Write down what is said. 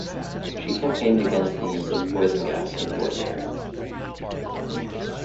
She campaigned against the use of poison gas in warfare.